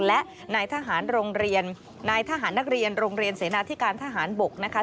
และนายทหารนักเรียนโรงเรียนเสนาที่การทหารบกนะคะ